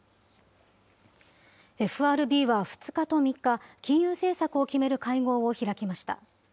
ＦＲＢは２日と３日、金融政策を決める会合を開きました。